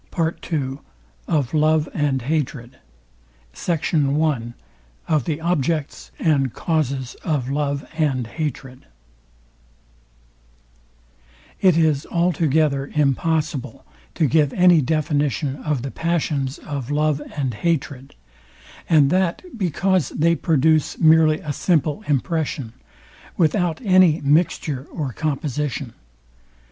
PART II OF LOVE AND HATRED SECT. I OF THE OBJECT AND CAUSES OF LOVE AND HATRED It is altogether impossible to give any definition of the passions of love and hatred; and that because they produce merely a simple impression, without any mixture or composition.